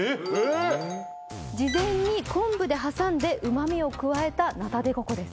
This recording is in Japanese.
事前に昆布で挟んで旨みを加えたナタデココです